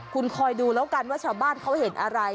คุณคอยดูแล้วกันว่าชาวบ้านเขาเห็นอะไร